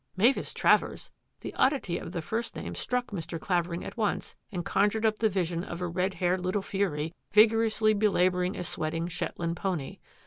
Mavis Travers! The oddity of the first name struck Mr. Clavering at once and conjured up the vision of a red haired little fury, vigorously be labouring a sweating Shetland pony.